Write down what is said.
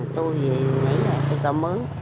tôi nghỉ rồi tôi cạo mướn